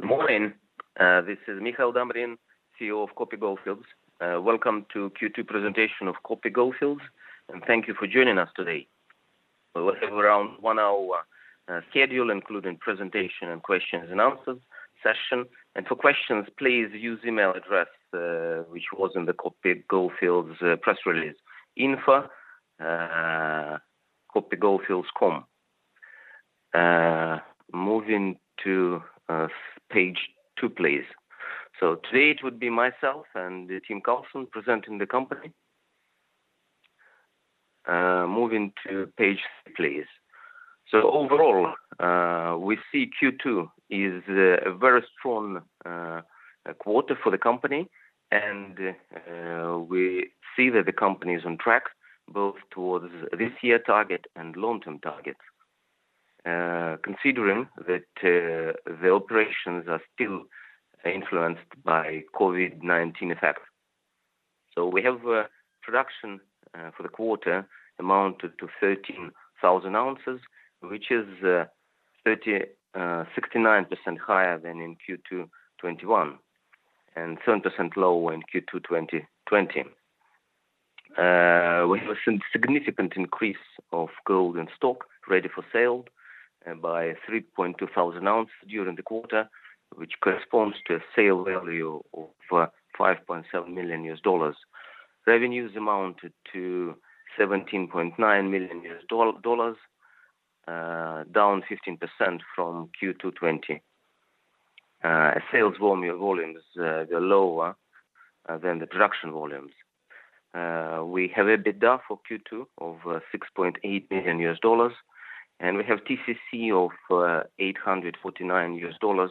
Good morning. This is Mikhail Damrin, CEO of Kopy Goldfields. Welcome to Q2 presentation of Kopy Goldfields, and thank you for joining us today. We will have around a 1-hour schedule, including presentation and question and answer session. For questions, please use email address, which was in the Kopy Goldfields press release, info@kopygoldfields.com. Moving to page 2, please. Today it would be myself and Tim Carlsson presenting the company. Moving to page 3, please. Overall, we see Q2 is a very strong quarter for the company, and we see that the company is on track both towards this year's target and long-term targets, considering that the operations are still influenced by COVID-19 effects. We have production for the quarter amounted to 13,000 ounces, which is 69% higher than in Q2 2021, and 7% lower than Q2 2020. We have seen a significant increase of gold in stock ready for sale by 3.2 thousand ounces during the quarter, which corresponds to a sale value of $5.7 million. Revenues amounted to $17.9 million, down 15% from Q2 2020. Sales volumes were lower than the production volumes. We have EBITDA for Q2 of $6.8 million, and we have TCC of $849,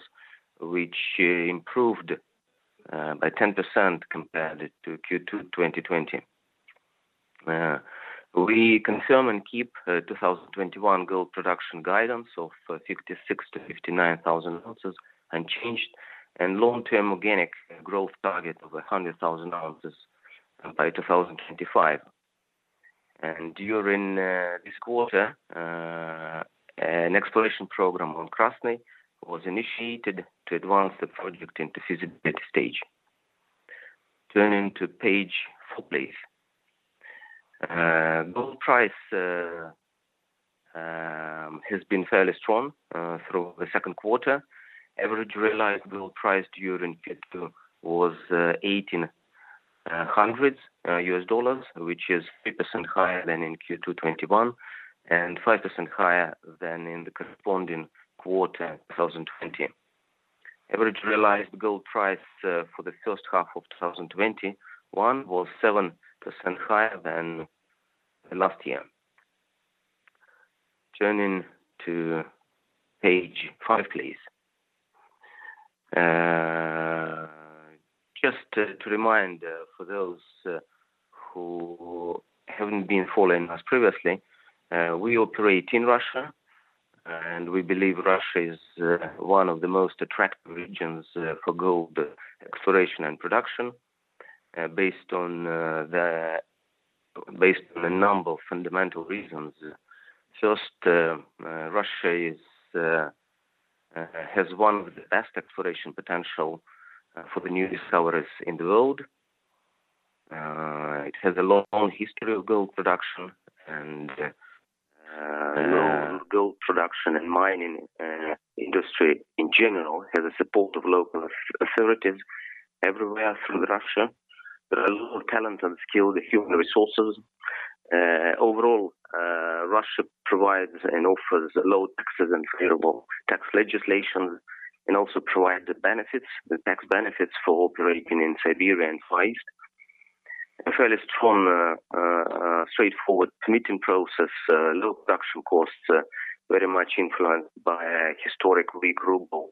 which improved by 10% compared to Q2 2020. We confirm and keep 2021 gold production guidance of 56,000-59,000 ounces unchanged, and long-term organic growth target of 100,000 ounces by 2025. During this quarter, an exploration program on Krasny was initiated to advance the project into feasibility stage. Turning to page 4, please. Gold price has been fairly strong through the second quarter. Average realized gold price during Q2 was $1,800, which is 3% higher than in Q2 2021 and 5% higher than in the corresponding quarter in 2020. Average realized gold price for the first half of 2021 was 7% higher than last year. Turning to page 5, please. Just to remind for those who haven't been following us previously, we operate in Russia. We believe Russia is one of the most attractive regions for gold exploration and production based on a number of fundamental reasons. First, Russia has one of the best exploration potential for the new discoveries in the world. It has a long history of gold production. Gold production and mining industry in general has the support of local authorities everywhere through Russia. There are a lot of talent and skilled human resources. Overall, Russia provides and offers low taxes and favorable tax legislation, and also provides the tax benefits for operating in Siberia and Far East. A fairly strong, straightforward permitting process, low production costs, very much influenced by a historically weak ruble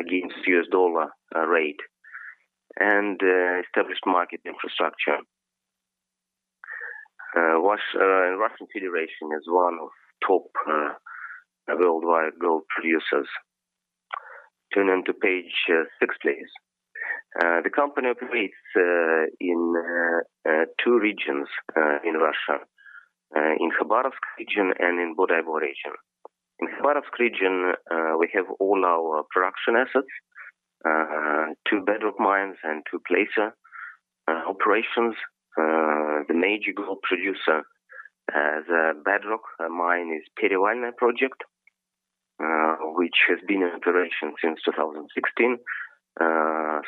against U.S. dollar rate, and established market infrastructure. Russian Federation is one of top worldwide gold producers. Turning to page 6, please. The company operates in 2 regions in Russia, in Khabarovsk Region and in Bodaibo Region. In Khabarovsk Region, we have all our production assets, 2 bedrock mines, and 2 placer operations. The major gold producer as a bedrock mine is Perevalnoye project, which has been in operation since 2016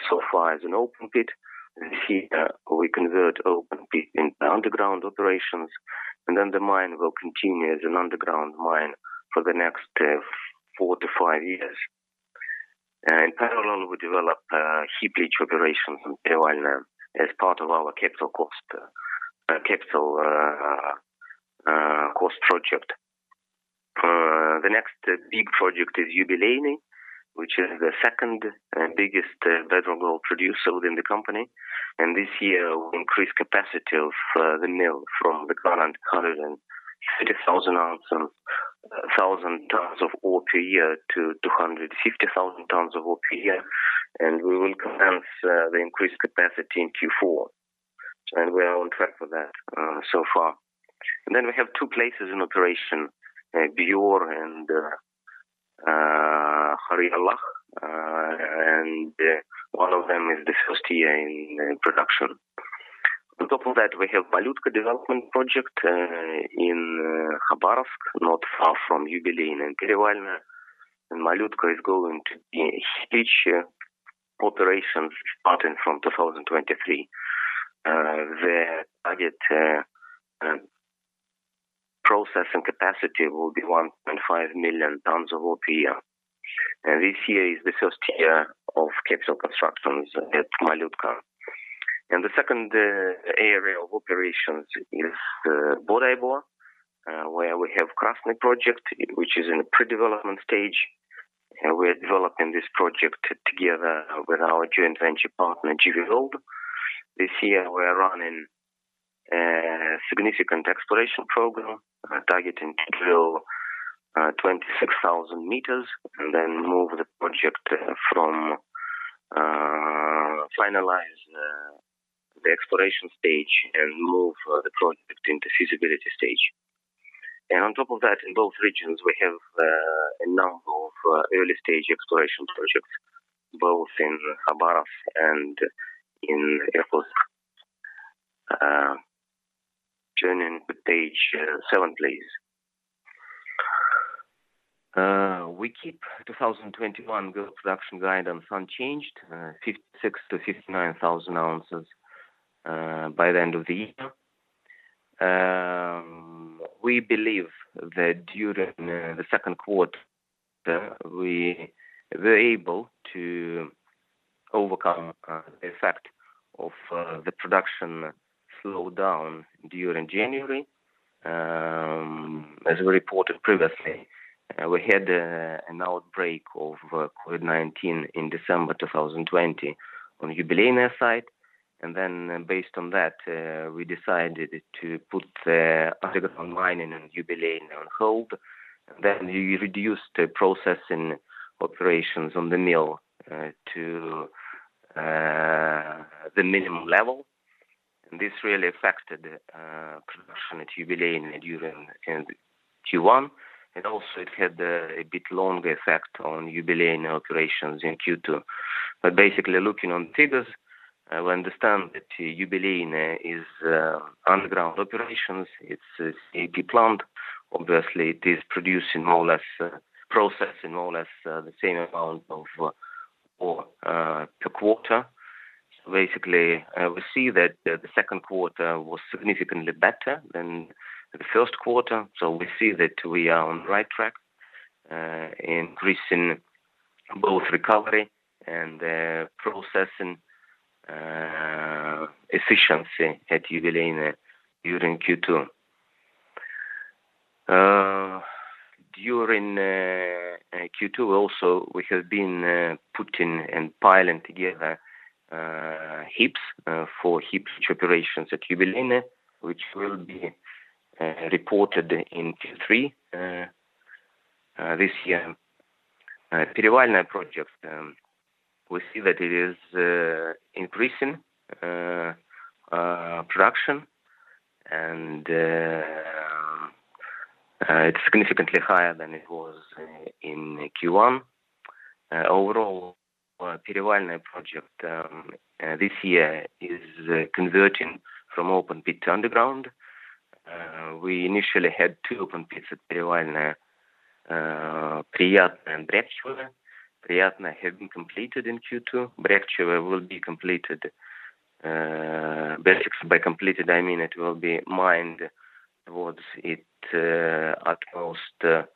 so far as an open pit. This year, we convert open pit into underground operations, and then the mine will continue as an underground mine for the next 4 to 5 years. In parallel, we develop heap leach operations in Perevalnoye as part of our capital cost project. The next big project is Yubileyniy, which is the second-biggest bedrock gold producer within the company. This year, we increased capacity of the mill from the current 130,000 tons of ore per year to 250,000 tons of ore per year. We will commence the increased capacity in Q4. We are on track for that so far. We have two places in operation, Byor and Khayarylakh, and one of them is the first year in production. On top of that, we have Malutka development project in Khabarovsk, not far from Yubileyniy and Perevalnoye, and Malutka is going to be a huge operation starting from 2023. The target processing capacity will be 1.5 million tons of ore per year. This year is the first year of CapEx constructions at Malutka. The second area of operations is Bodaibo, where we have Krasny project, which is in a pre-development stage. We’re developing this project together with our joint venture partner, GV Gold. This year, we’re running a significant exploration program, targeting to drill 26,000 meters and then finalize the exploration stage and move the project into feasibility stage. On top of that, in both regions, we have a number of early-stage exploration projects, both in Khabarovsk and in Irkutsk. Turning to page 7, please. We keep 2021 gold production guidance unchanged, 56,000 to 59,000 ounces by the end of the year. We believe that during the second quarter, we were able to overcome the effect of the production slowdown during January. As we reported previously, we had an outbreak of COVID-19 in December 2020 on Yubileyniy site. Based on that, we decided to put the underground mining in Yubileyniy on hold. We reduced the processing operations on the mill to the minimum level, and this really affected production at Yubileyniy during Q1, and also it had a bit longer effect on Yubileyniy operations in Q2. Basically, looking on figures, we understand that Yubileyniy is underground operations. It's a CIL plant. Obviously, it is processing more or less the same amount of ore per quarter. Basically, we see that the second quarter was significantly better than the first quarter. We see that we are on the right track, increasing both recovery and processing efficiency at Yubileyniy during Q2. During Q2 also, we have been putting and piling together heaps for heap operations at Yubileyniy, which will be reported in Q3 this year. Perevalnoye project, we see that it is increasing production, and it's significantly higher than it was in Q1. Overall, Perevalnoye project this year is converting from open pit to underground. We initially had 2 open pits at Perevalnoye, Priyatnoye and Brekhchovo. Priyatnoye has been completed in Q2. Brekhchovo will be completed. By completed, I mean it will be mined towards its utmost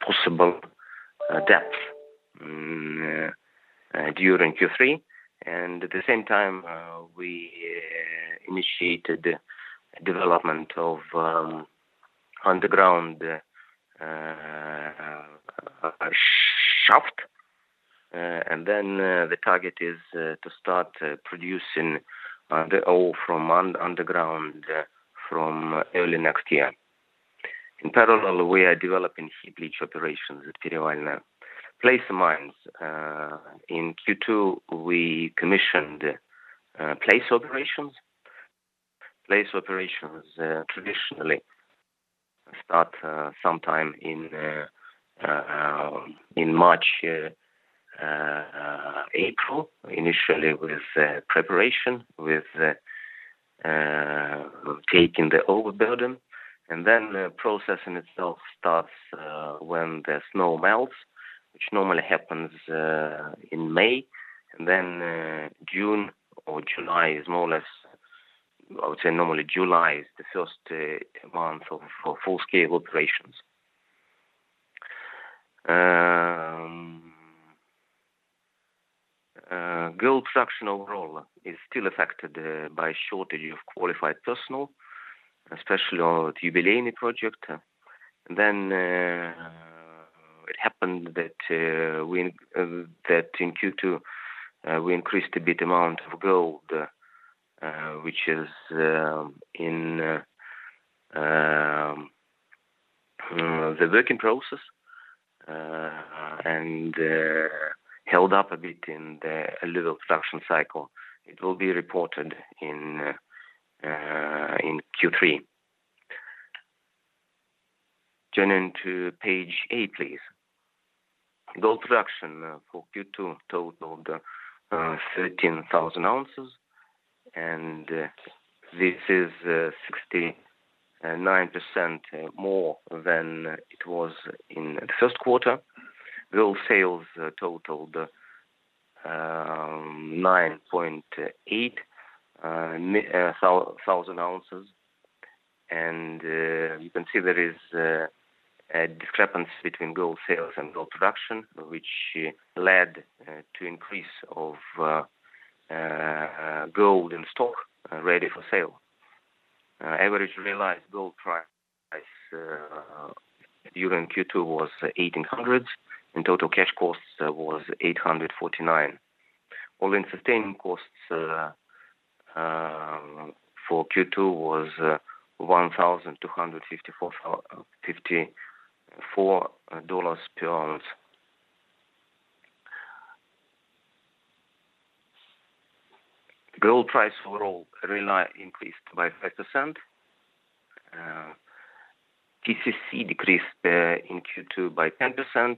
possible depth during Q3. At the same time, we initiated development of underground shaft. The target is to start producing the ore from underground from early next year. In parallel, we are developing heap leach operations at Perevalnoye. Placer mines. In Q2, we commissioned placer operations. Placer operations traditionally start sometime in March, April, initially with preparation, with taking the overburden. The processing itself starts when the snow melts, which normally happens in May. June or July is more or less-- I would say normally July is the first month of full-scale operations. Gold production overall is still affected by shortage of qualified personnel, especially on Yubileyniy project. It happened that in Q2, we increased a bit amount of gold, which is in the working process and held up a bit in the little production cycle. It will be reported in Q3. Turning to page 8, please. Gold production for Q2 totaled 13,000 ounces, and this is 69% more than it was in the first quarter. Gold sales totaled 9,800 ounces. You can see there is a discrepancy between gold sales and gold production, which led to increase of gold in stock ready for sale. Average realized gold price during Q2 was $1,800, and total cash costs was $849. All-in sustaining costs for Q2 was $1,254 per ounce. Gold price overall realized increased by 5%. TCC decreased in Q2 by 10%.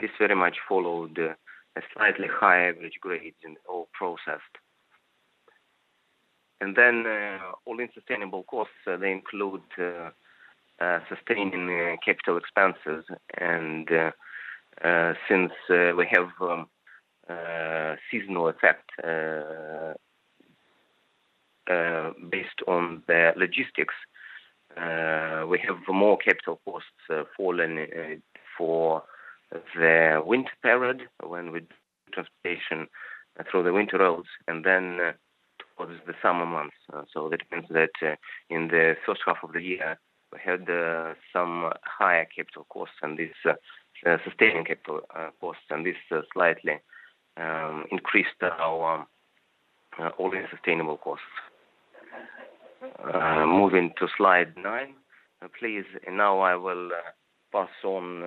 This very much followed a slightly higher average grade in ore processed. All-in sustaining costs, they include sustaining capital expenses. Since we have a seasonal effect based on the logistics, we have more capital costs fallen for the winter period when we do transportation through the winter roads than towards the summer months. That means that in the first half of the year, we had some higher sustaining capital costs, and this slightly increased our All-in sustaining costs. Moving to slide 9, please. I will pass on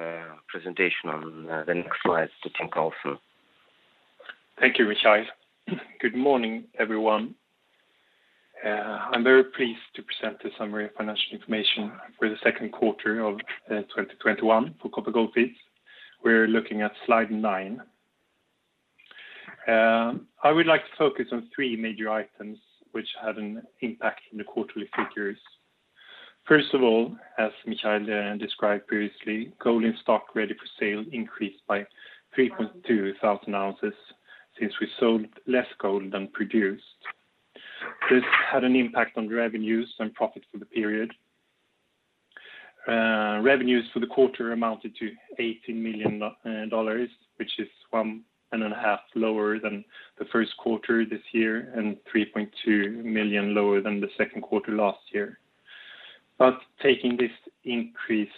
presentation on the next slides to Tim Carlsson. Thank you, Mikhail. Good morning, everyone. I'm very pleased to present the summary of financial information for the second quarter of 2021 for Kopy Goldfields. We're looking at slide nine. I would like to focus on three major items which had an impact on the quarterly figures. First of all, as Mikhail described previously, gold in stock ready for sale increased by 3,200 ounces since we sold less gold than produced. This had an impact on revenues and profits for the period. Revenues for the quarter amounted to $18 million, which is 1.5 lower than the first quarter this year and $3.2 million lower than the second quarter last year. Taking this increased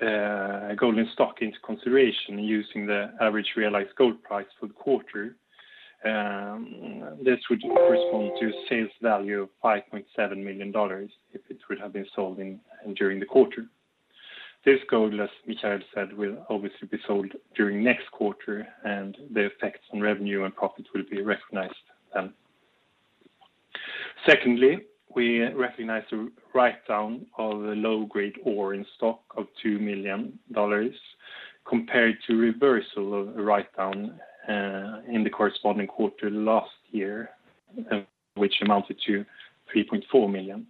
gold in stock into consideration using the average realized gold price for the quarter, this would correspond to a sales value of $5.7 million if it would have been sold during the quarter. This gold, as Mikhail said, will obviously be sold during next quarter, and the effects on revenue and profits will be recognized then. Secondly, we recognized a write-down of the low-grade ore in stock of $2 million, compared to reversal of a write-down in the corresponding quarter last year, which amounted to $3.4 million.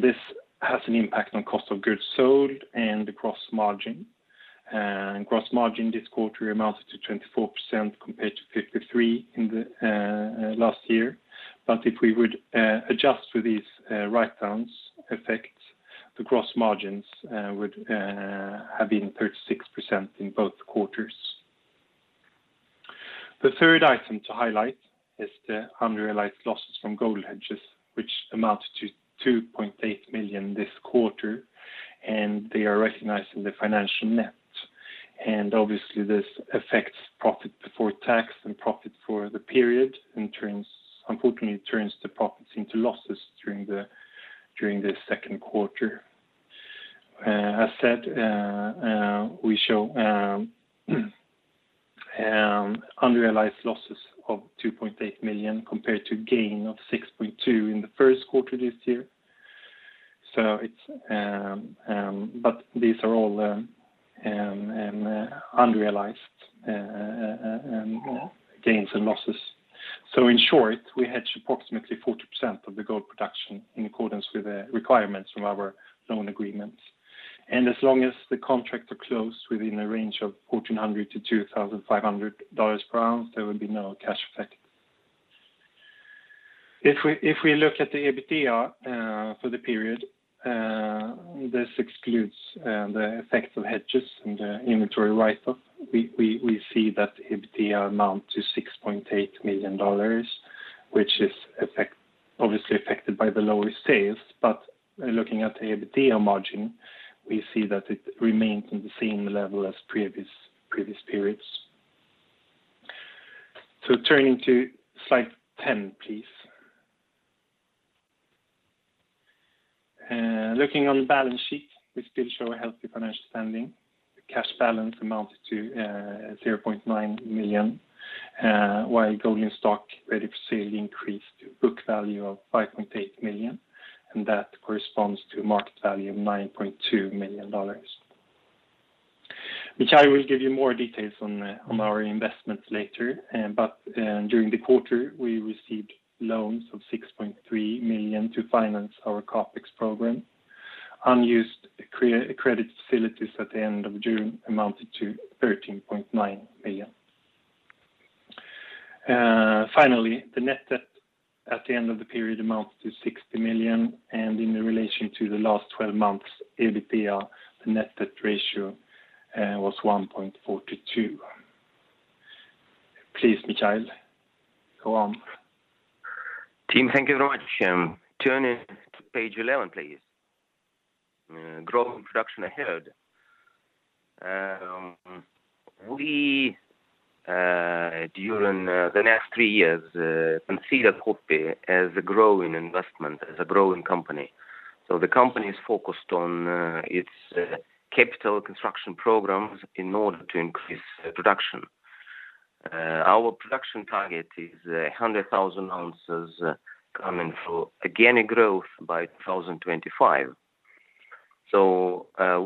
This has an impact on cost of goods sold and the gross margin. Gross margin this quarter amounted to 24% compared to 53% last year. If we would adjust for these write-downs effects, the gross margins would have been 36% in both quarters. The third item to highlight is the unrealized losses from gold hedges, which amount to $2.8 million this quarter, and they are recognized in the financial net. Obviously, this affects profit before tax and profit for the period, and unfortunately, it turns the profits into losses during the second quarter. As said, we show unrealized losses of $2.8 million compared to a gain of $6.2 in the first quarter this year. These are all unrealized gains and losses. In short, we hedge approximately 40% of the gold production in accordance with the requirements from our loan agreements. As long as the contracts are closed within a range of $1,400-$2,500 per ounce, there will be no cash effect. If we look at the EBITDA for the period, this excludes the effect of hedges and the inventory write-off. We see that EBITDA amount to $6.8 million, which is obviously affected by the lower sales. Looking at the EBITDA margin, we see that it remains in the same level as previous periods. Turning to slide 10, please. Looking on the balance sheet, we still show a healthy financial standing. The cash balance amounted to $0.9 million, while gold in stock ready for sale increased to a book value of $5.8 million, and that corresponds to a market value of $9.2 million. Mikhail will give you more details on our investments later, during the quarter, we received loans of $6.3 million to finance our CapEx program. Unused credit facilities at the end of June amounted to $13.9 million. Finally, the net debt at the end of the period amounts to $60 million, and in relation to the last 12 months, EBITDA, the net debt ratio, was 1.42. Please, Mikhail, go on. Tim, thank you very much. Turning to page 11, please. Growing production ahead. We, during the next 3 years, consider Kopy as a growing investment, as a growing company. The company is focused on its capital construction programs in order to increase production. Our production target is 100,000 ounces coming through organic growth by 2025.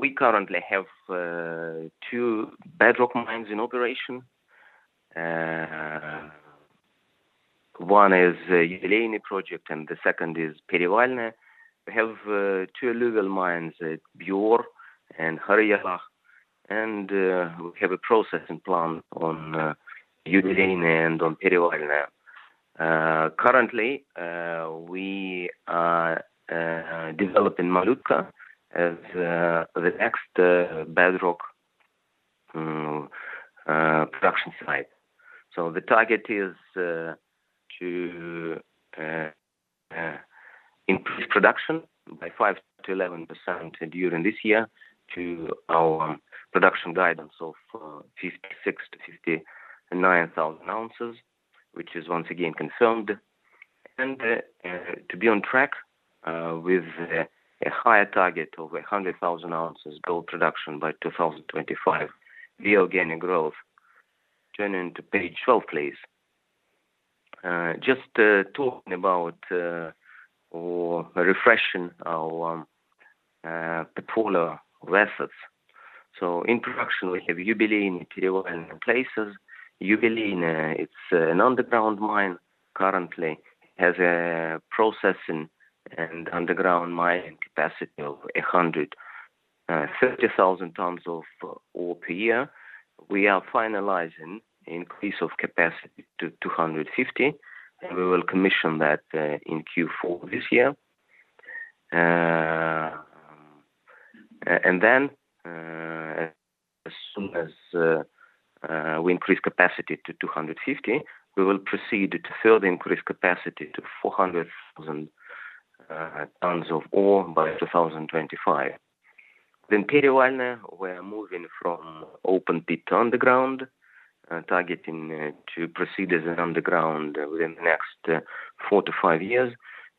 We currently have 2 bedrock mines in operation. One is the Yubileyniy Project, and the second is Perevalnoye. We have 2 alluvial mines at Byor and Khayarylakh, and we have a processing plant on Yubileyniy and on Perevalnoye. Currently, we are developing Malutka as the next bedrock production site. The target is to increase production by 5% to 11% during this year to our production guidance of 56,000 to 59,000 ounces, which is once again confirmed, and to be on track with a higher target of 100,000 ounces gold production by 2025 via organic growth. Turning to page 12, please. Just talking about refreshing our pipeline assets. In production, we have Yubileyniy, Perevalnoye, and Places. Yubileyniy, it's an underground mine, currently has a processing and underground mining capacity of 130,000 tons of ore per year. We are finalizing the increase of capacity to 250, and we will commission that in Q4 this year. As soon as we increase capacity to 250, we will proceed to further increase capacity to 400,000 tons of ore by 2025. Perevalnoye, we are moving from open pit to underground, targeting to proceed as an underground within the next 4-5 years.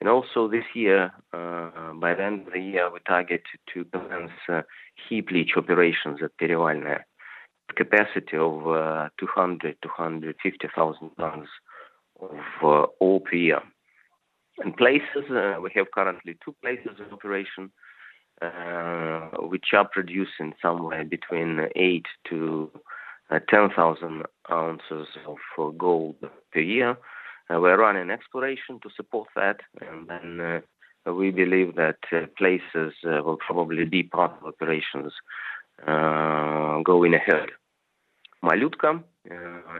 Also this year, by the end of the year, we target to commence heap leach operations at Perevalnoye with capacity of 200,000-250,000 tons of ore per year. Placers, we have currently 2 placers in operation, which are producing somewhere between 8,000-10,000 ounces of gold per year. We are running exploration to support that, and then we believe that placers will probably be part of operations going ahead. Malutka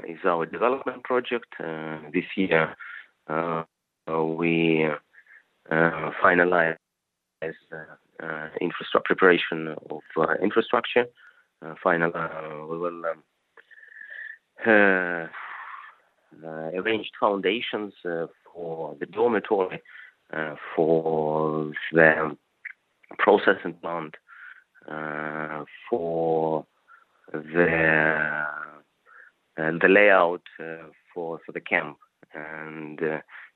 is our development project. This year, we finalized preparation of infrastructure. Finally, we will arrange foundations for the dormitory, for the processing plant, for the layout for the camp.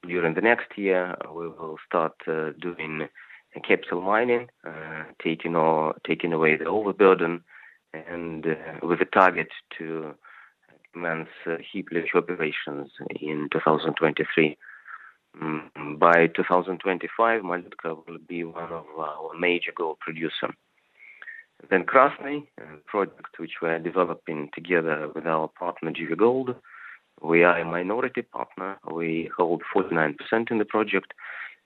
During the next year, we will start doing capital mining, taking away the overburden, with a target to commence heap leach operations in 2023. By 2025, Malutka will be one of our major gold producers. Krasny, a project which we are developing together with our partner, GV Gold. We are a minority partner. We hold 49% in the project.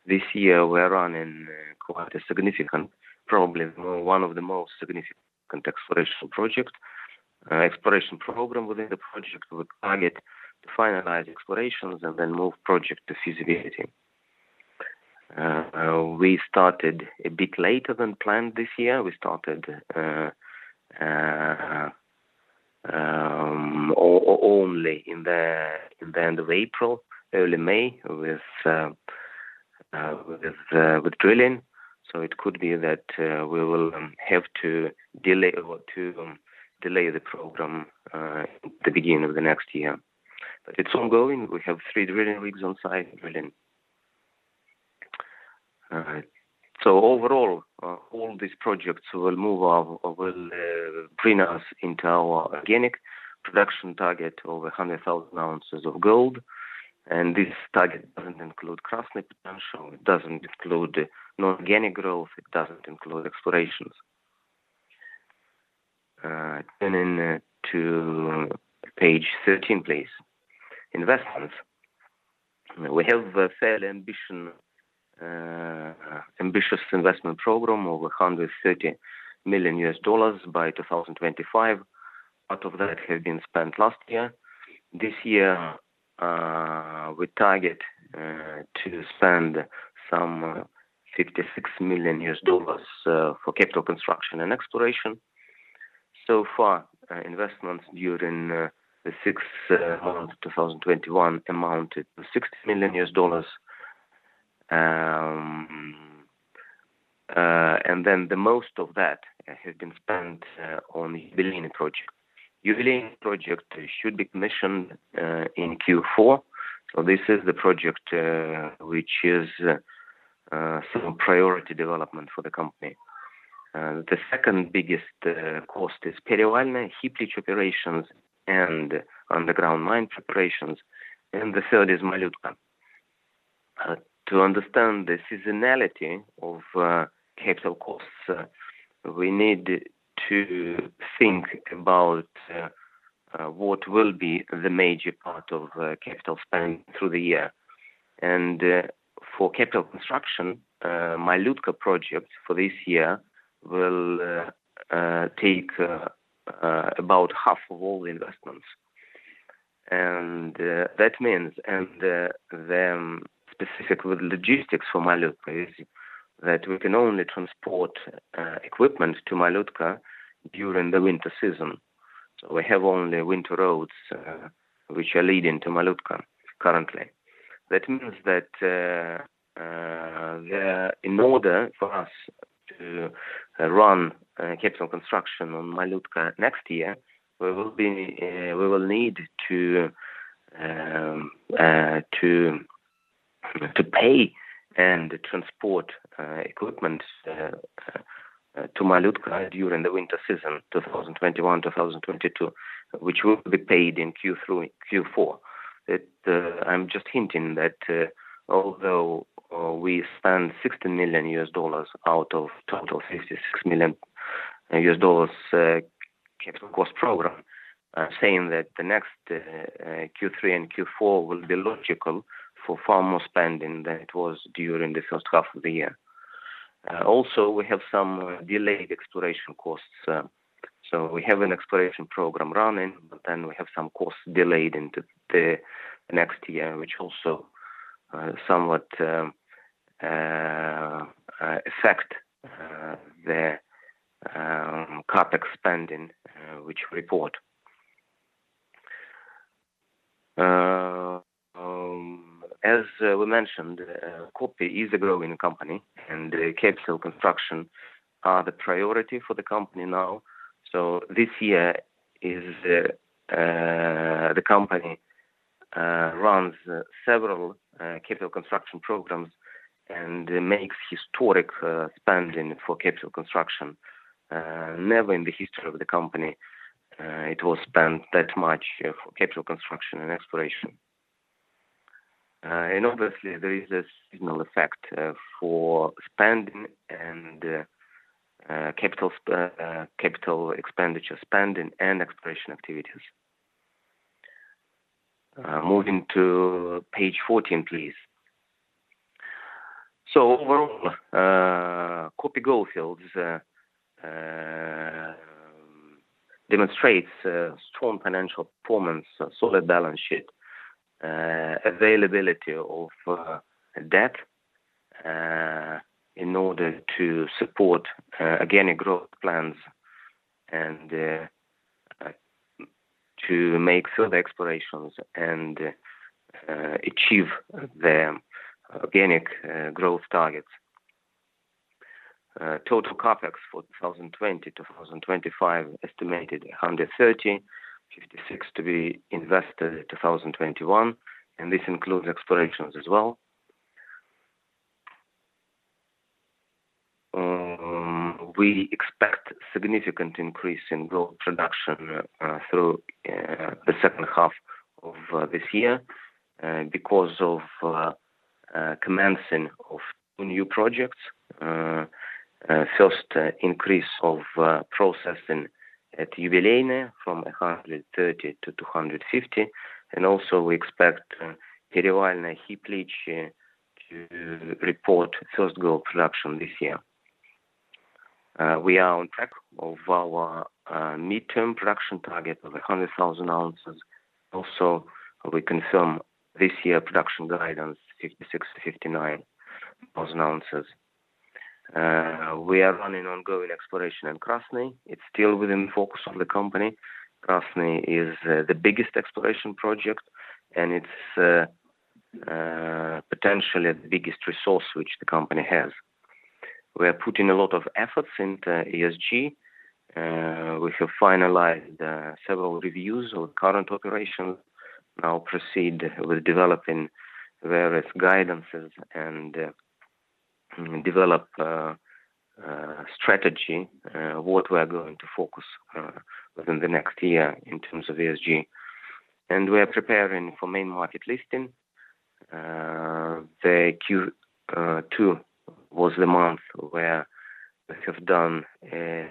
This year, we are running quite a significant, probably one of the most significant exploration projects. Exploration program within the project with target to finalize explorations and then move project to feasibility. We started a bit later than planned this year. We started only in the end of April, early May with drilling. It could be that we will have to delay the program at the beginning of the next year. It's ongoing. We have 3 drilling rigs on site drilling. All right. Overall, all these projects will bring us into our organic production target of 100,000 ounces of gold. This target doesn't include Krasny potential, it doesn't include non-organic growth, it doesn't include explorations. Turning to page 13, please. Investments. We have a fairly ambitious investment program of $130 million by 2025. Part of that had been spent last year. This year, we target to spend some $56 million for capital construction and exploration. Far, investments during the sixth month of 2021 amounted to $60 million. The most of that has been spent on the Yubileyniy project. Yubileyniy project should be commissioned in Q4. This is the project which is some priority development for the company. The second biggest cost is Perevalnoye heap leach operations and underground mine preparations. The third is Malutka. To understand the seasonality of capital costs, we need to think about what will be the major part of capital spend through the year. For capital construction, Malutka project for this year will take about half of all investments. That means, the specific logistics for Malutka is that we can only transport equipment to Malutka during the winter season. We have only winter roads which are leading to Malutka currently. That means that in order for us to run capital construction on Malutka next year, we will need to pay and transport equipment to Malutka during the winter season 2021/2022, which will be paid in Q3 and Q4. I'm just hinting that although we spend $60 million out of total $56 million capital cost program, I'm saying that the next Q3 and Q4 will be logical for far more spending than it was during the first half of the year. We have some delayed exploration costs. We have an exploration program running, but then we have some costs delayed into the next year which also somewhat affect the CapEx spending which we report. As we mentioned, Kopy is a growing company, capital construction are the priority for the company now. This year, the company runs several capital construction programs and makes historic spending for capital construction. Never in the history of the company it was spent that much for capital construction and exploration. Obviously, there is a signal effect for spending and capital expenditure spending and exploration activities. Moving to page 14, please. Overall, Kopy Goldfields demonstrates strong financial performance, a solid balance sheet, availability of debt in order to support organic growth plans and to make further explorations and achieve the organic growth targets. Total CapEx for 2020-2025, estimated $130 million, $56 million to be invested 2021, and this includes explorations as well. We expect significant increase in gold production through the second half of this year because of commencing of new projects. First increase of processing at Yubileyniy from 130 to 250, and also we expect Perevalnoye heap leach to report first gold production this year. We are on track of our midterm production target of 100,000 ounces. Also, we confirm this year production guidance 56,000-59,000 ounces. We are running ongoing exploration in Krasny. It's still within focus of the company. Krasny is the biggest exploration project, and it's potentially the biggest resource which the company has. We are putting a lot of efforts into ESG. We have finalized several reviews of current operations. Now proceed with developing various guidances and develop a strategy, what we are going to focus within the next year in terms of ESG. We are preparing for main market listing. The Q2 was the month where we have done a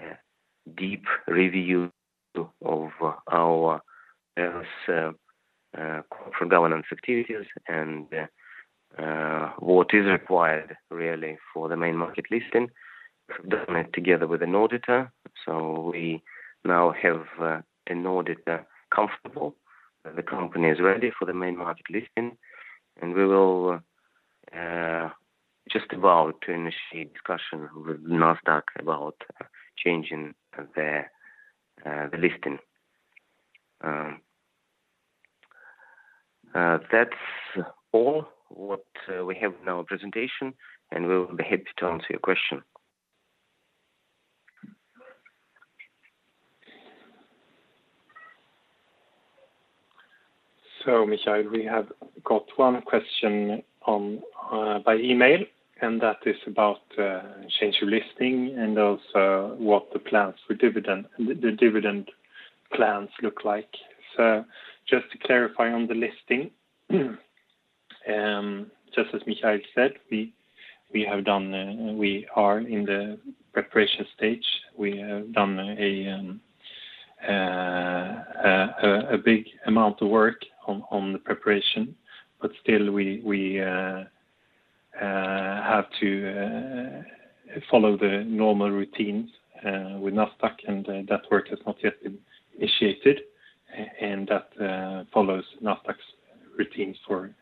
deep review of our various corporate governance activities and what is required really for the main market listing. We have done it together with an auditor, so we now have an auditor comfortable that the company is ready for the main market listing, and we will just about to initiate discussion with Nasdaq about changing the listing. That's all what we have in our presentation, and we will be happy to answer your question. Mikhail, we have got one question by email, and that is about change of listing and also what the dividend plans look like. Just to clarify on the listing, just as Mikhail said, we are in the preparation stage. We have done a big amount of work on the preparation, but still we have to follow the normal routines with Nasdaq, and that work has not yet been initiated, and that follows Nasdaq's routines for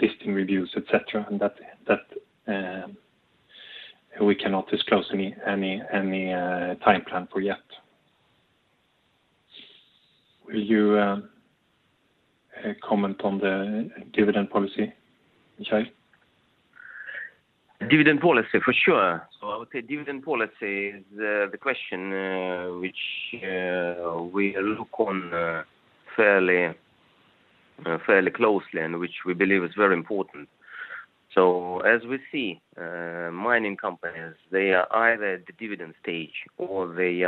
listing reviews, et cetera, and that we cannot disclose any time plan for yet. Will you comment on the dividend policy, Mikhail? Dividend policy, for sure. I would say dividend policy is the question which we look on fairly closely and which we believe is very important. As we see, mining companies, they are either at the dividend stage or they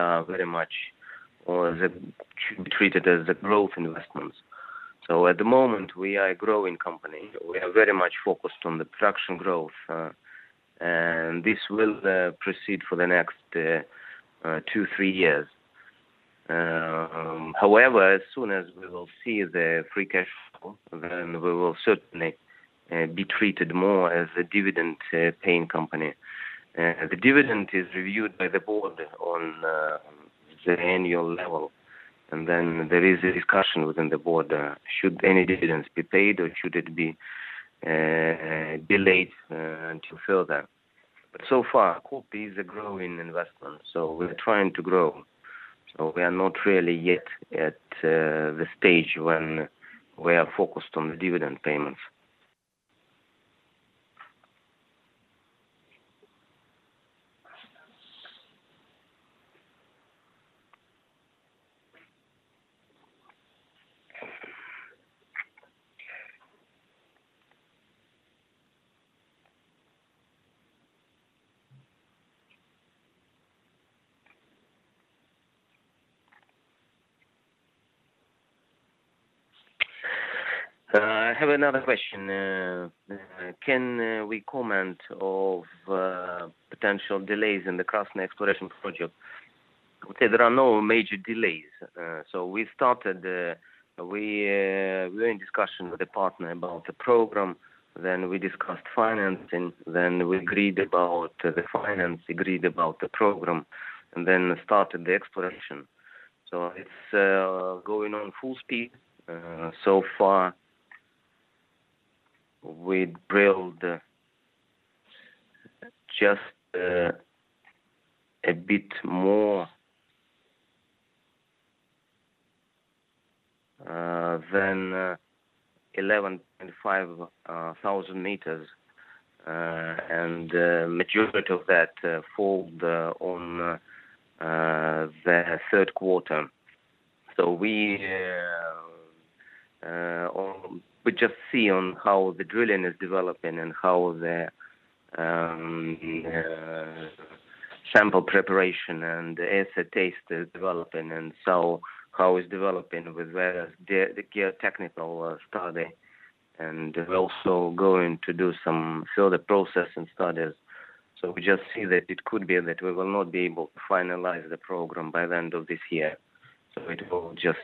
should be treated as the growth investments. At the moment, we are a growing company. We are very much focused on the production growth. This will proceed for the next two, three years. However, as soon as we will see the free cash flow, then we will certainly be treated more as a dividend-paying company. The dividend is reviewed by the board on the annual level, and then there is a discussion within the board, should any dividends be paid or should it be delayed until further. So far, Kopy is a growing investment, so we're trying to grow. We are not really yet at the stage when we are focused on the dividend payments. I have another question. Can we comment of potential delays in the Krasny exploration project? I would say there are no major delays. We started, we were in discussion with the partner about the program, we discussed financing, we agreed about the finance, agreed about the program, started the exploration. It's going on full speed. So far we drilled just a bit more than 11,500 meters, majority of that fall on the third quarter. We just see on how the drilling is developing and how the sample preparation and assay test is developing, how it's developing with the geotechnical study. We're also going to do some further processing studies. We just see that it could be that we will not be able to finalize the program by the end of this year. It will just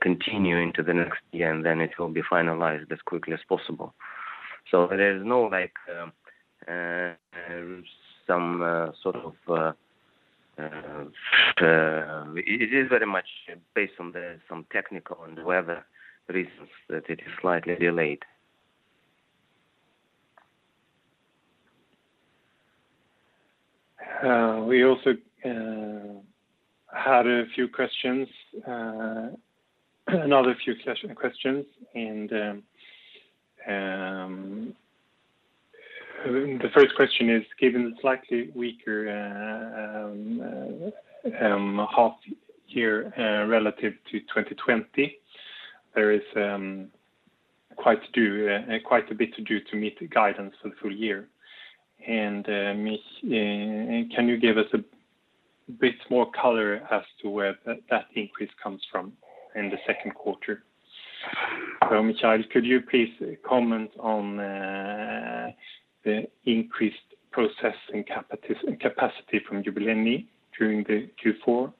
continue into the next year, and then it will be finalized as quickly as possible. There is no. It is very much based on some technical and weather reasons that it is slightly delayed. We also had another few questions. The first question is, given the slightly weaker half year relative to 2020, there is quite a bit to do to meet the guidance for the full year. Can you give us a bit more color as to where that increase comes from in the second quarter? Mikhail, could you please comment on the increased processing capacity from Yubileyniy during the Q4?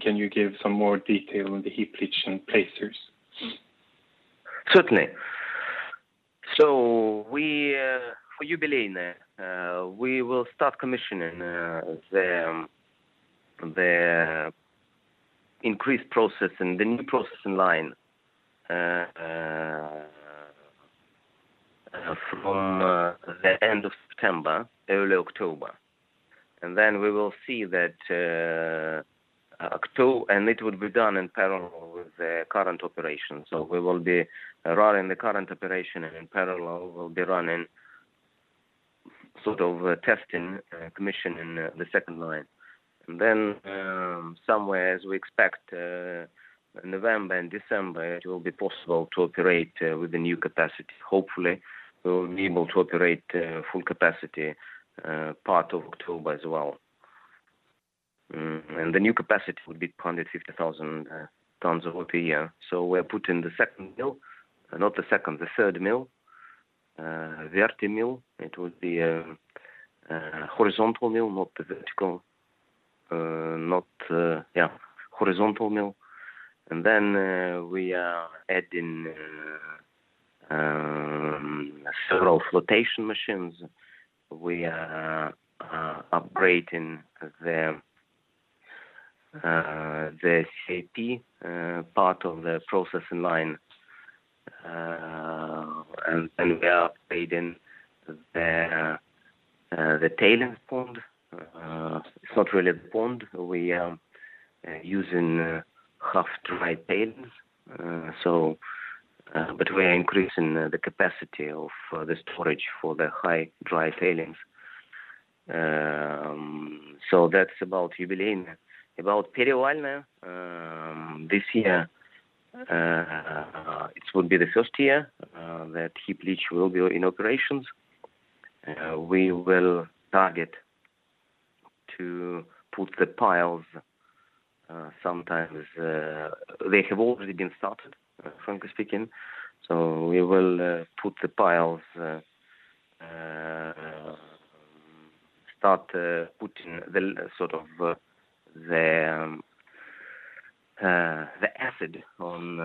Can you give some more detail on the heap leach and placers? Certainly. For Yubileyniy, we will start commissioning the increased processing, the new processing line from the end of September, early October. It will be done in parallel with the current operation. We will be running the current operation, and in parallel, we'll be running sort of a testing commission in the second line. Somewhere, as we expect, November and December, it will be possible to operate with the new capacity. Hopefully, we will be able to operate full capacity part of October as well. The new capacity will be 250,000 tons over the year. We are putting the third mill, the RT mill. It will be a horizontal mill, not the vertical. We are adding several flotation machines. We are upgrading the CIP part of the processing line. We are upgrading the tailings pond. It's not really a pond. We are using half-dry tailings. We are increasing the capacity of the storage for the high dry tailings. That's about Yubileyniy. About Perevalnoye, this year, it will be the first year that heap leach will be in operations. We will target to put the piles sometimes. They have already been started, frankly speaking. We will start putting the acid on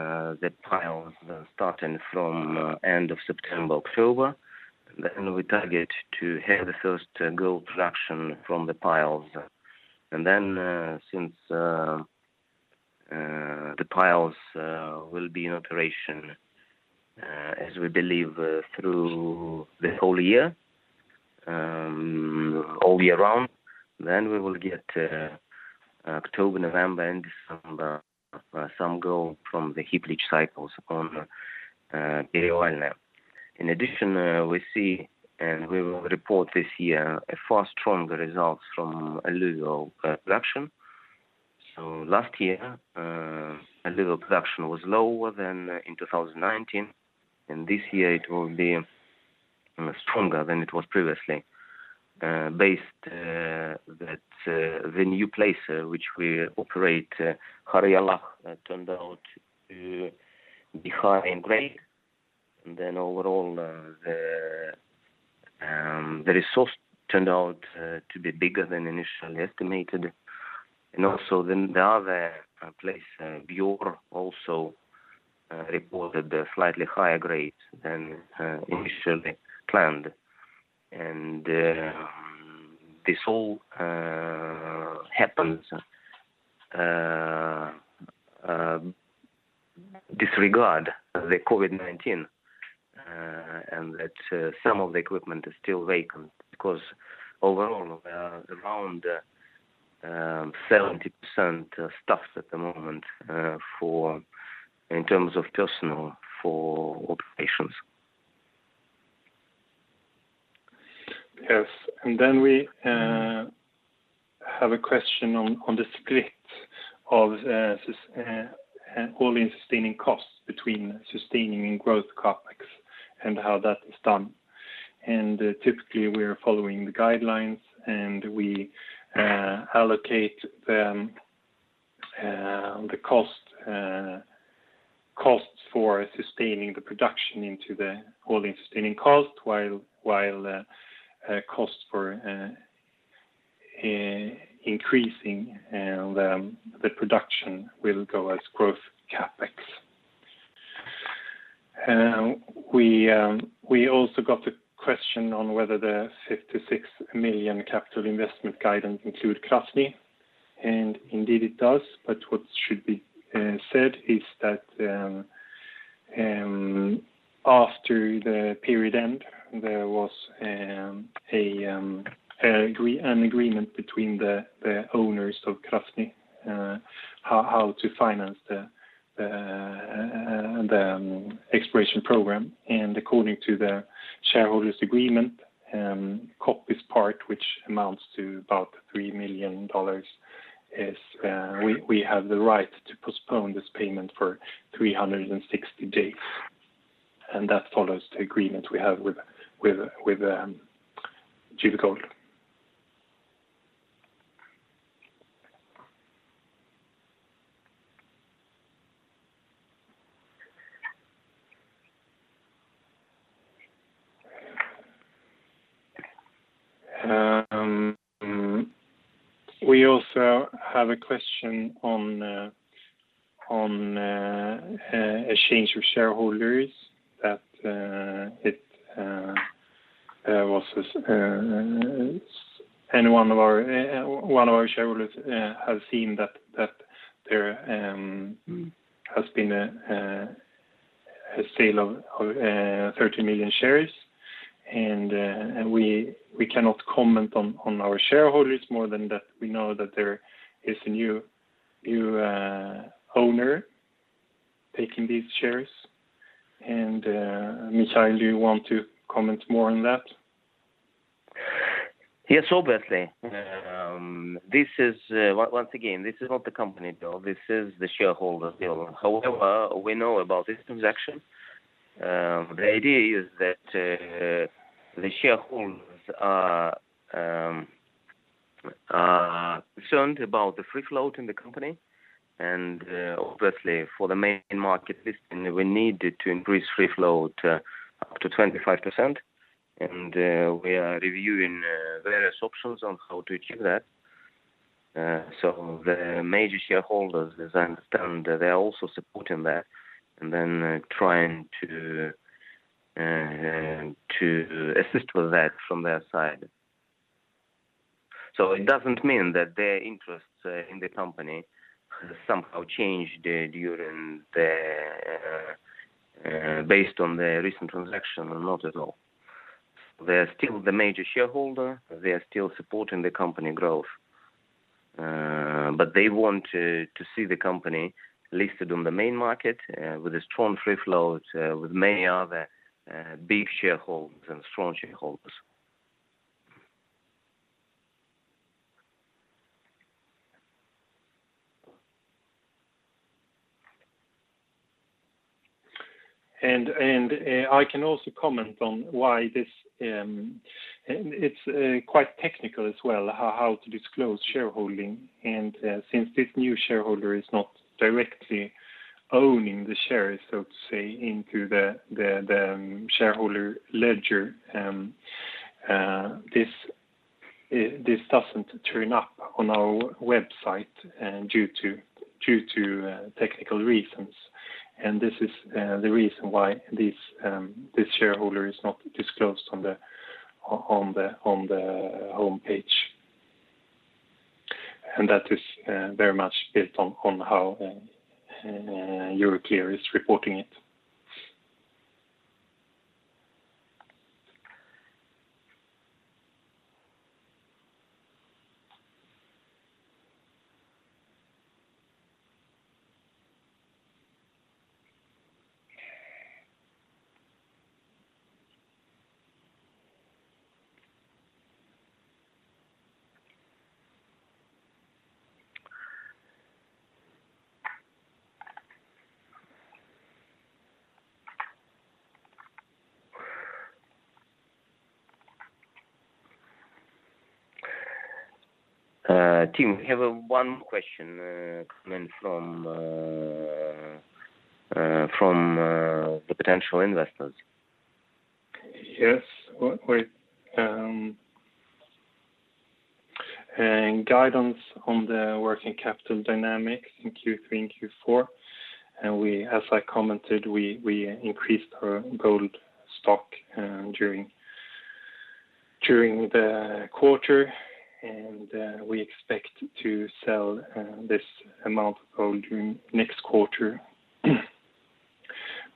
the piles starting from end of September, October. We target to have the first gold production from the piles. Since the piles will be in operation as we believe through the whole year, all year round, we will get October, November, and December some gold from the heap leach cycles on Perevalnoye. In addition, we see, and we will report this year, a far stronger results from alluvial production. Last year, alluvial production was lower than in 2019, this year it will be stronger than it was previously based that the new placer which we operate, Khayarylakh, turned out to be high in grade. Overall, the resource turned out to be bigger than initially estimated. The other place, Byor, also reported a slightly higher grade than initially planned. This all happens disregard the COVID-19 and that some of the equipment is still vacant, because overall we are around 70% staffed at the moment in terms of personnel for operations. Yes. Then we have a question on the split of All-in sustaining costs between sustaining and growth CapEx and how that is done. Typically, we are following the guidelines, and we allocate the costs for sustaining the production into the All-in sustaining costs, while cost for increasing the production will go as growth. We also got a question on whether the $56 million capital investment guidance includes Krasny, indeed it does. What should be said is that after the period end, there was an agreement between the owners of Krasny on how to finance the exploration program. According to the shareholders agreement, Kopy's part, which amounts to about $3 million, we have the right to postpone this payment for 360 days, that follows the agreement we have with GV Gold. We also have a question on a change of shareholders that one of our shareholders has seen that there has been a sale of 30 million shares, and we cannot comment on our shareholders more than that we know that there is a new owner taking these shares. Mikhail, do you want to comment more on that? Yes, obviously. Once again, this is not the company, though, this is the shareholder deal. We know about this transaction. The idea is that the shareholders are concerned about the free float in the company, and obviously, for the main market listing, we need to increase free float up to 25%, and we are reviewing various options on how to achieve that. The major shareholders, as I understand, they are also supporting that and then trying to assist with that from their side. It doesn't mean that their interests in the company somehow changed based on the recent transaction. Not at all. They're still the major shareholder, they are still supporting the company growth. They want to see the company listed on the main market with a strong free float, with many other big shareholders and strong shareholders. I can also comment on why this. It's quite technical as well, how to disclose shareholding. Since this new shareholder is not directly owning the shares, so to say, into the shareholder ledger, this doesn't turn up on our website due to technical reasons. This is the reason why this shareholder is not disclosed on the homepage. That is very much built on how Euroclear is reporting it. Tim, we have one question coming from the potential investors. Yes. Guidance on the working capital dynamics in Q3 and Q4, as I commented, we increased our gold stock during the quarter, and we expect to sell this amount of gold next quarter.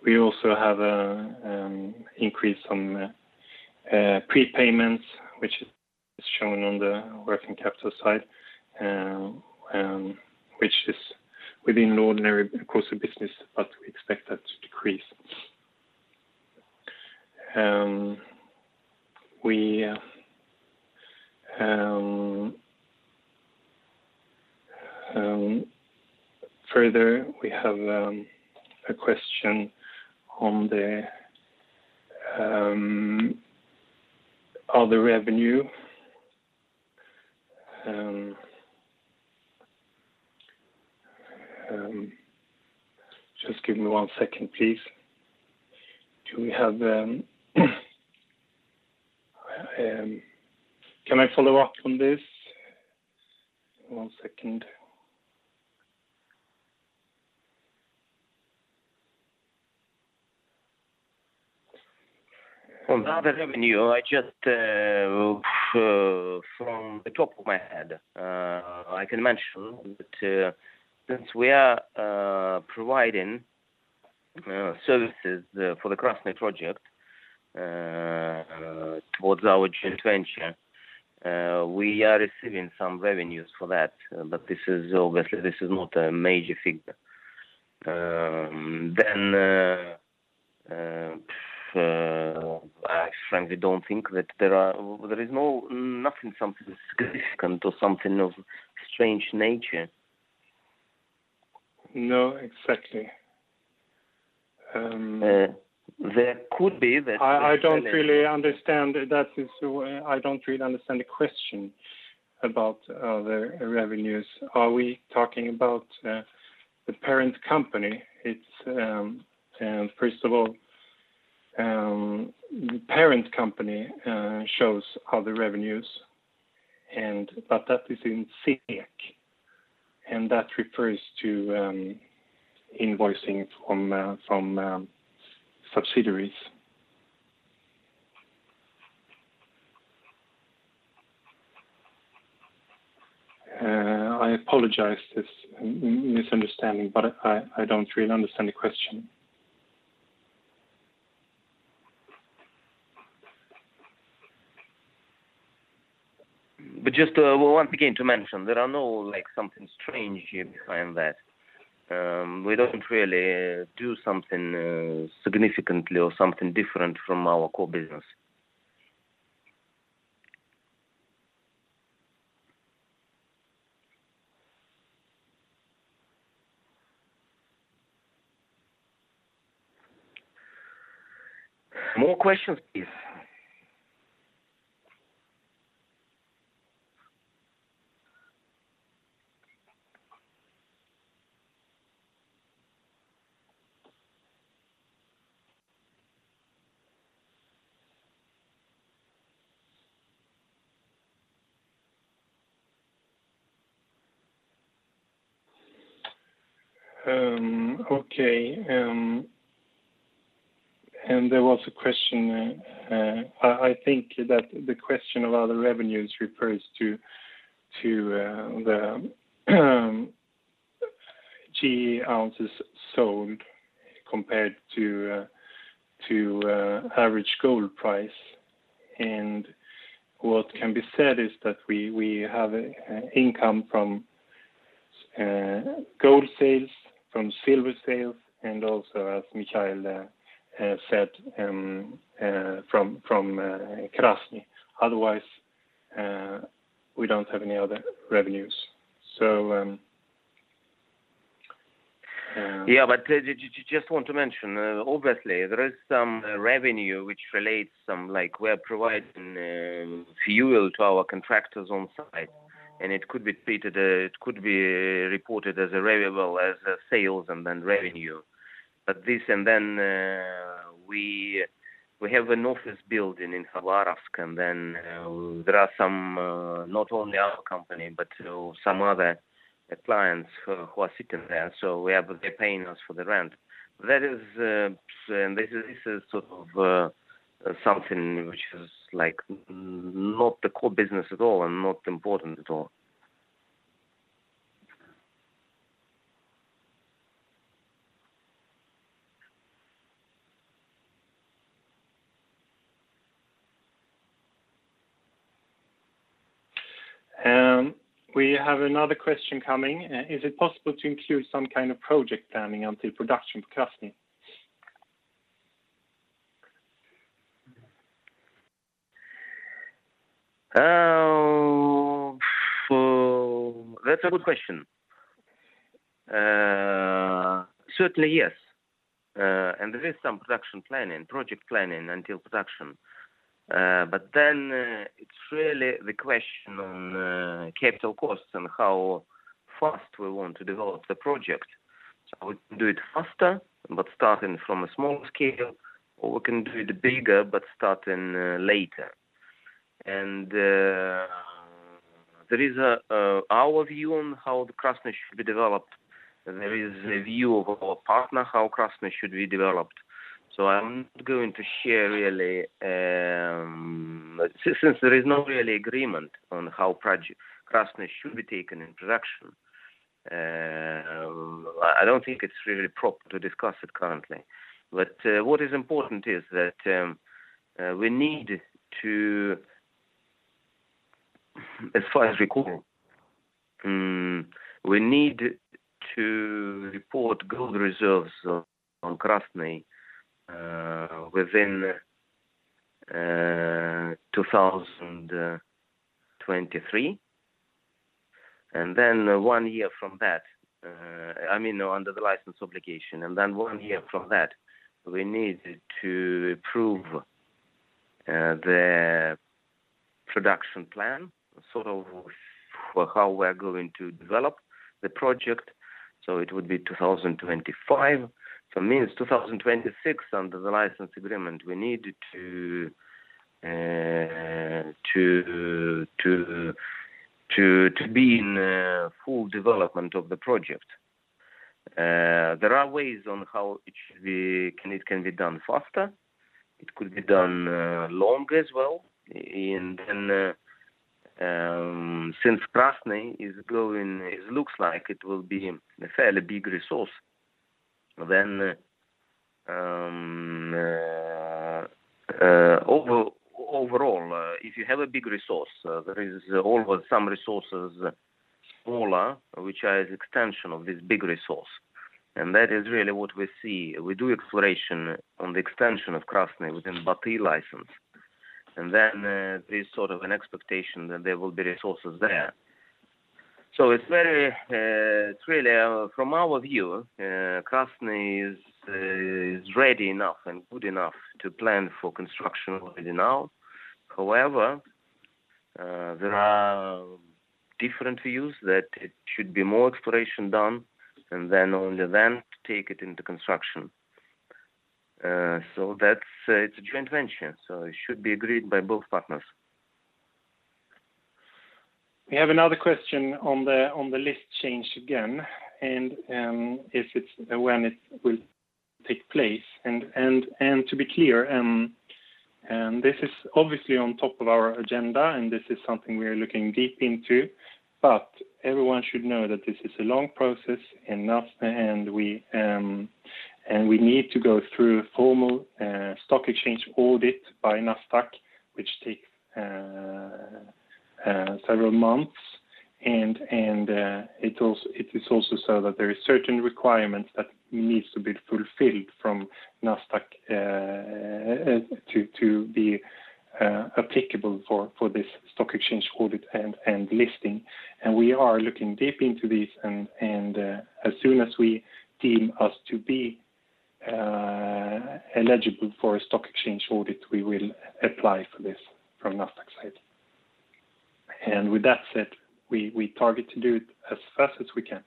We also have an increase on prepayments, which is shown on the working capital side, which is within an ordinary course of business, but we expect that to decrease. We have a question on the other revenue. Just give me one second, please. Can I follow up on this? One second. On the other revenue, from the top of my head, I can mention that since we are providing services for the Krasny project towards our joint venture, we are receiving some revenues for that. Obviously, this is not a major figure. I frankly don't think that there is nothing, something significant or something of strange nature. No, exactly. There could be that. I don't really understand. I don't really understand the question about other revenues. Are we talking about the parent company? First of all, the parent company shows other revenues, but that is in SEK, and that refers to invoicing from subsidiaries. I apologize, this misunderstanding, but I don't really understand the question. Just once again to mention, there are no something strange here behind that. We don't really do something significantly or something different from our core business. More questions, please. Okay. There was a question. I think that the question of other revenues refers to the GE ounces sold compared to average gold price. What can be said is that we have income from gold sales, from silver sales, and also, as Mikhail said, from Krasny. Otherwise, we don't have any other revenues. Just want to mention, obviously, there is some revenue which relates some, like we're providing fuel to our contractors on site, and it could be reported as a variable, as a sales and then revenue. This, and then we have an office building in Khabarovsk, and then there are some, not only our company, but some other clients who are sitting there. They're paying us for the rent. This is something which is not the core business at all and not important at all. We have another question coming. Is it possible to include some kind of project planning until production for Krasny? That's a good question. Certainly, yes. There is some production planning, project planning until production. Then it's really the question on capital costs and how fast we want to develop the project. We can do it faster, but starting from a small scale, or we can do it bigger but starting later. There is our view on how the Krasny should be developed. There is a view of our partner, how Krasny should be developed. I'm not going to share really, since there is not really agreement on how Krasny should be taken in production. I don't think it's really proper to discuss it currently. What is important is that we need to, as far as we call, we need to report gold reserves on Krasny within 2023. One year from that, I mean, under the license obligation, one year from that, we need to prove the production plan for how we're going to develop the project. It would be 2025. For me, it's 2026 under the license agreement, we need to be in full development of the project. There are ways on how it can be done faster. It could be done longer as well. Since Krasny looks like it will be a fairly big resource, overall, if you have a big resource, there is always some resources smaller, which are extension of this big resource. That is really what we see. We do exploration on the extension of Krasny within Batiy license. There's sort of an expectation that there will be resources there. From our view, Krasny is ready enough and good enough to plan for construction already now. However, there are different views that it should be more exploration done, and then only then take it into construction. It's a joint venture, so it should be agreed by both partners. We have another question on the list change again, when it will take place. To be clear, this is obviously on top of our agenda, this is something we are looking deep into. Everyone should know that this is a long process, we need to go through formal stock exchange audit by Nasdaq, which takes several months. It is also so that there is certain requirements that needs to be fulfilled from Nasdaq to be applicable for this stock exchange audit and listing. We are looking deep into this, as soon as we deem us to be eligible for a stock exchange audit, we will apply for this from Nasdaq side. With that said, we target to do it as fast as we can.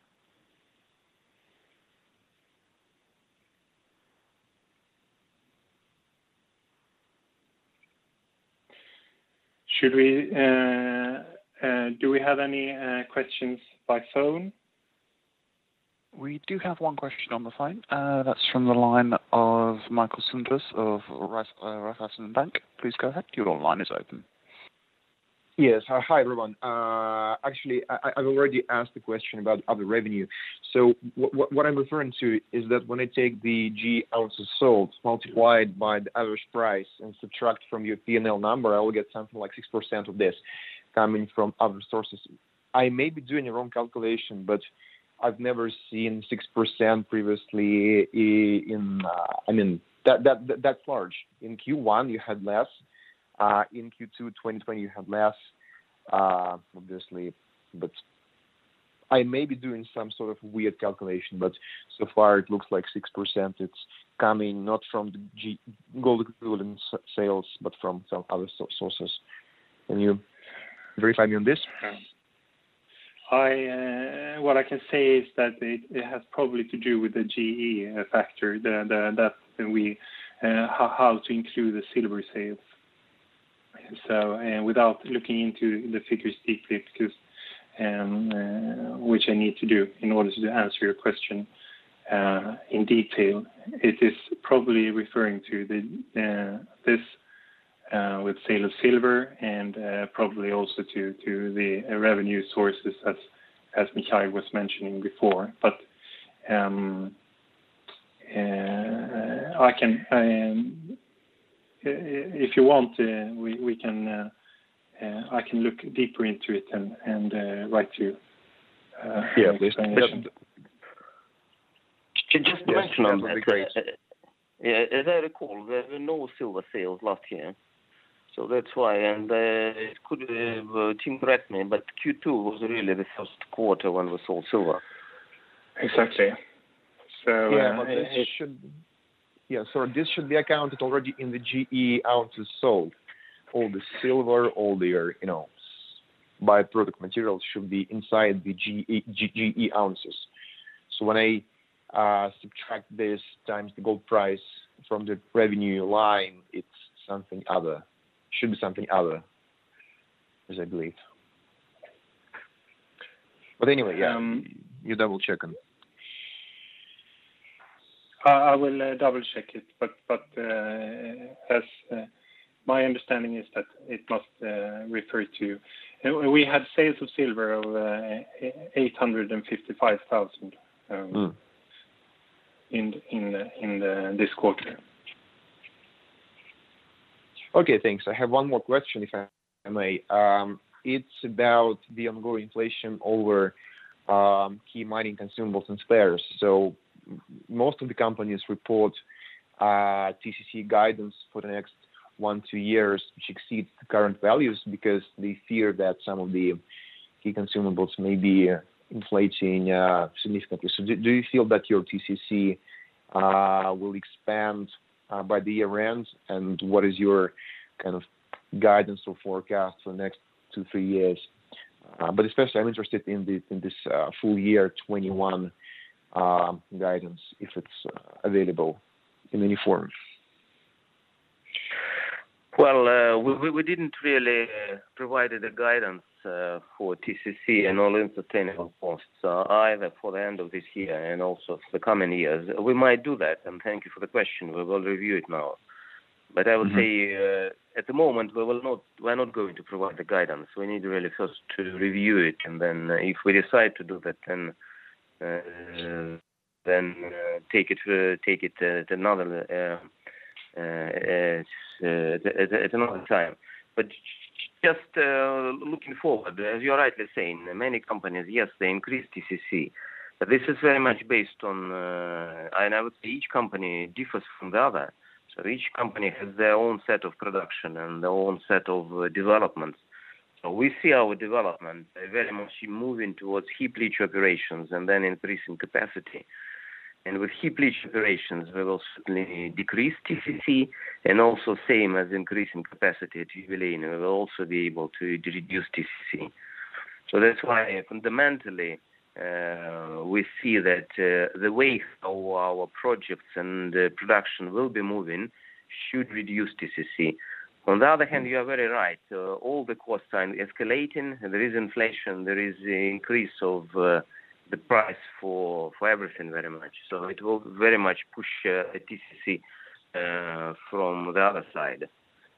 Do we have any questions by phone? We do have one question on the phone. That's from the line of Michael Sinclair of Rotherson Bank. Please go ahead. Your line is open. Yes. Hi, everyone. Actually, I've already asked the question about other revenue. What I'm referring to is that when I take the GE ounces sold multiplied by the average price and subtract from your P&L number, I will get something like 6% of this coming from other sources. I may be doing the wrong calculation, but I've never seen 6% previously. That's large. In Q1, you had less. In Q2 2020, you had less, obviously. I may be doing some sort of weird calculation, but so far it looks like 6%. It's coming not from the gold equivalent sales, but from some other sources. Can you verify me on this? What I can say is that it has probably to do with the GE factor, how to include the silver sales. Without looking into the figures deeply, which I need to do in order to answer your question in detail, it is probably referring to this with sale of silver and probably also to the revenue sources as Mikhail was mentioning before. If you want, I can look deeper into it and write to you. Yeah, please. Just to mention on that. As I recall, there were no silver sales last year, so that's why. It could have team, but Q2 was really the first quarter when we sold silver. Exactly. This should be accounted already in the GE ounces sold. All the silver, all their byproduct materials should be inside the GE ounces. When I subtract this times the gold price from the revenue line, it should be something other, as I believe. Anyway, you double-check on that. I will double-check it, but my understanding is that it must refer to. We had sales of silver of $855,000 in this quarter. Okay, thanks. I have 1 more question, if I may. It's about the ongoing inflation over key mining consumables and spares. Most of the companies report TCC guidance for the next 1, 2 years, which exceeds the current values because they fear that some of the key consumables may be inflating significantly. Do you feel that your TCC will expand by the year-end? What is your guidance or forecast for next 2, 3 years? Especially, I'm interested in this full year 2021 guidance, if it's available in any form. Well, we didn't really provide the guidance for TCC and all-in sustaining costs, either for the end of this year and also for the coming years. We might do that, and thank you for the question. We will review it now. I will say at the moment, we're not going to provide the guidance. We need really first to review it, and then if we decide to do that, then take it at another time. Just looking forward, as you're rightly saying, many companies, yes, they increased TCC. This is very much based on, and I would say each company differs from the other. Each company has their own set of production and their own set of developments. We see our development very much moving towards heap leach operations and then increasing capacity. With heap leach operations, we will certainly decrease TCC, and also same as increasing capacity at Yubileyniy, we will also be able to reduce TCC. That's why fundamentally, we see that the way our projects and production will be moving should reduce TCC. On the other hand, you are very right. All the costs are escalating. There is inflation. There is increase of the price for everything very much. It will very much push TCC from the other side.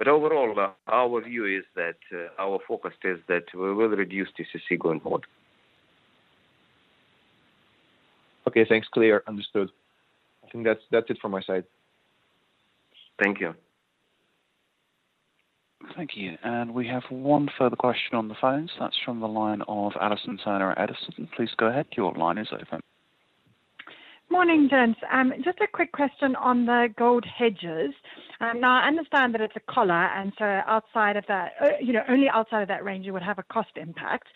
Overall, our view is that our focus is that we will reduce TCC going forward. Okay, thanks. Clear. Understood. I think that's it from my side. Thank you. Thank you. We have one further question on the phone. That's from the line of Alison Turner. Alison, please go ahead. Your line is open. Morning, gents. Just a quick question on the gold hedges. Now, I understand that it's a collar, and so only outside of that range it would have a cost impact.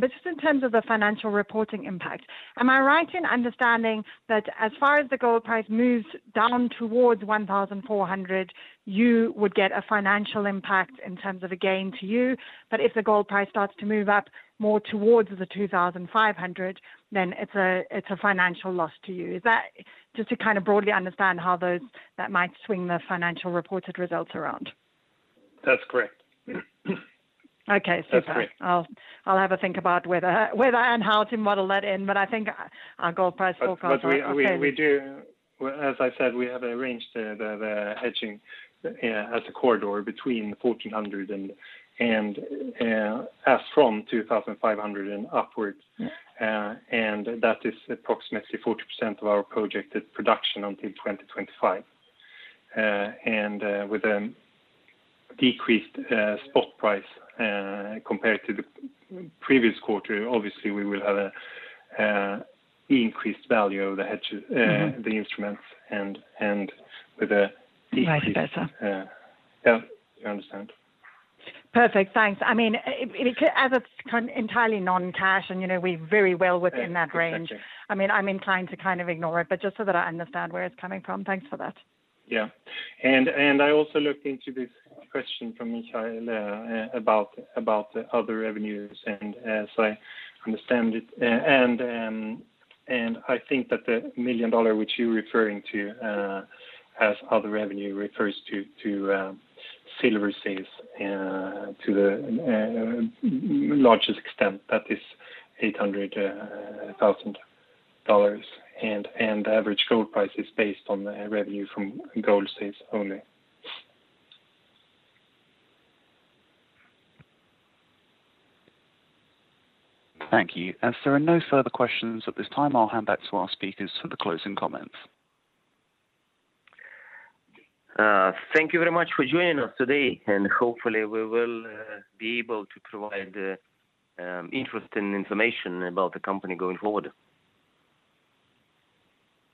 Just in terms of the financial reporting impact, am I right in understanding that as far as the gold price moves down towards $1,400, you would get a financial impact in terms of a gain to you? If the gold price starts to move up more towards the $2,500, then it's a financial loss to you. Just to broadly understand how that might swing the financial reported results around. That's correct. Okay, super. That's correct. I'll have a think about whether and how to model that in, but I think our gold price forecast. As I said, we have arranged the hedging as a corridor between $1,400 and as from $2,500 and upwards. Yeah. That is approximately 40% of our projected production until 2025. With a decreased spot price compared to the previous quarter, obviously we will have an increased value of the instruments. Right, better. Yeah. You understand. Perfect. Thanks. As it's entirely non-cash, and we're very well within that range- Exactly I'm inclined to ignore it, but just so that I understand where it's coming from. Thanks for that. Yeah. I also looked into this question from Mikhail about the other revenues, and as I understand it, and I think that the $1 million which you're referring to as other revenue refers to silver sales to the largest extent, that is $800,000. The average gold price is based on the revenue from gold sales only. Thank you. As there are no further questions at this time, I'll hand back to our speakers for the closing comments. Thank you very much for joining us today. Hopefully we will be able to provide interesting information about the company going forward.